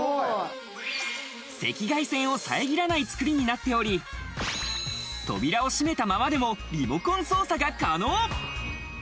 赤外線を遮らない作りになっており、扉を閉めたままでも、リモコン操作が可能。